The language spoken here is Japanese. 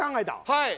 はい。